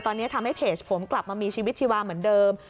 ตอนนี้ทำให้เพจผมกลับมามีชีวิตชีวาเหมือนเดิม